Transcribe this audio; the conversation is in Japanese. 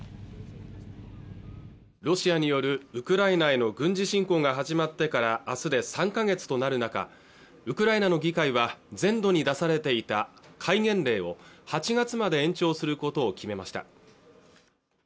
ロシアによるウクライナへの軍事侵攻が始まってからあすで３か月となる中ウクライナの議会は全土に出されていた戒厳令を８月まで延長することを決めました